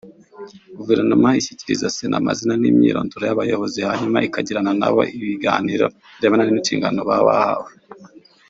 Guverinoma ishyikiriza Sena amazina n’imyirondoro y’abayobozi hanyuma ikagirana nabo ibiganiro birebana n’inshingano baba bahawe